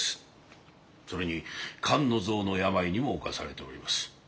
それに肝の臓の病にも侵されております。